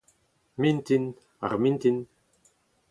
mintin, ar mintin